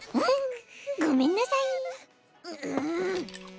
ごめんなさい。